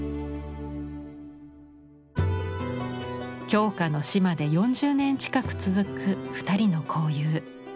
鏡花の死まで４０年近く続く２人の交友。